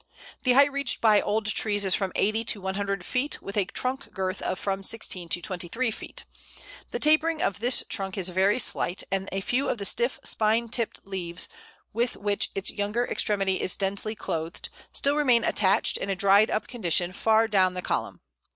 The height reached by old trees is from eighty to a hundred feet, with a trunk girth of from sixteen to twenty three feet. The tapering of this trunk is very slight, and a few of the stiff, spine tipped leaves, with which its younger extremity is densely clothed, still remain attached in a dried up condition far down the column.